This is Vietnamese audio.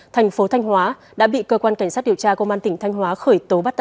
thành phố thanh hóa đã bị cơ quan cảnh sát điều tra công an tỉnh thanh hóa khởi tố bắt